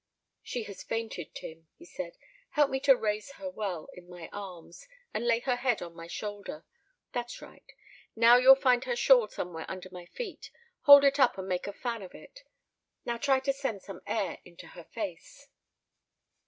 "She has fainted, Tim," he said. "Help me to raise her well in my arms, and lay her head on my shoulder. That's right. Now you'll find her shawl somewhere under my feet; hold it up and make a fan of it. Now try to send some air into her face."